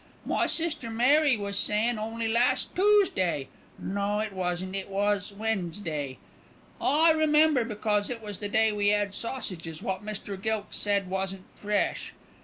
My sister, Mary, was sayin' only last Toosday no it wasn't, it was We'n'sday, I remember because it was the day we 'ad sausages wot Mr. Gilkes said wasn't fresh.